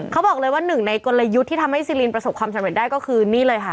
เขาบอกเลยว่าหนึ่งในกลยุทธ์ที่ทำให้ซีลินประสบความสำเร็จได้ก็คือนี่เลยค่ะ